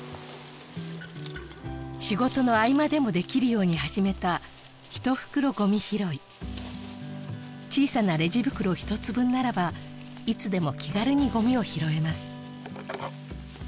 仕事の合間でもできるように始めた１袋ごみ拾い小さなレジ袋ひとつ分ならばいつでも気軽にごみを拾えます